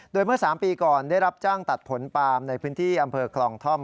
โดยเมื่อ๓ปีก่อนได้รับจ้างตัดผลปาล์มในพื้นที่อำเภอคลองท่อม